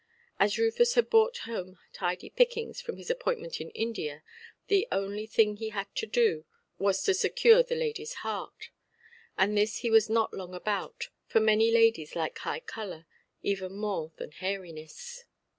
As Rufus had brought home tidy pickings from his appointment in India, the only thing he had to do was to secure the ladyʼs heart. And this he was not long about, for many ladies like high colour even more than hairiness.